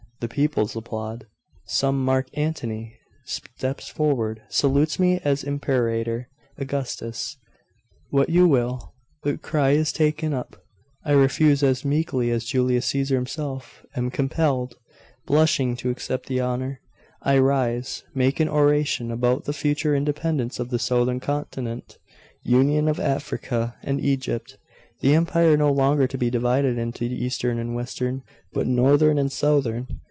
the people applaud.... some Mark Antony steps forward, salutes me as Imperator, Augustus what you will the cry is taken up I refuse as meekly as Julius Caesar himself am compelled, blushing, to accept the honour I rise, make an oration about the future independence of the southern continent union of Africa and Egypt the empire no longer to be divided into Eastern and Western, but Northern and Southern.